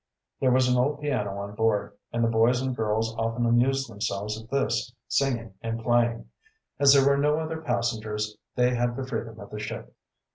There was an old piano on board, and the boys and girls often amused themselves at this, singing and playing. As there were no other passengers, they had the freedom of the ship.